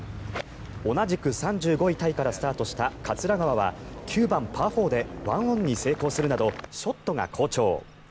同じく３５位タイからスタートした桂川は９番、パー４で１オンに成功するなどショットが好調。